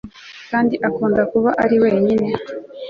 kandi akunda kuba ariwenyine